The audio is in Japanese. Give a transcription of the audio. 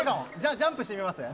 ジャンプしてみますね。